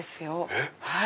えっ？